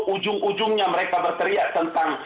ujung ujungnya mereka berteriak tentang